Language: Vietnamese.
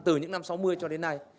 từ những năm sáu mươi cho đến nay